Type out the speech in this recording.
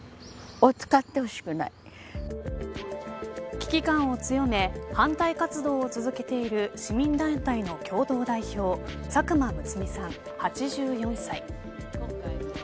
危機感を強め反対活動を続けている市民団体の共同代表佐久間む津美さん、８４歳。